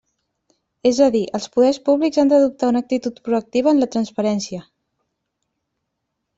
És a dir, els poders públics han d'adoptar una actitud proactiva en la transparència.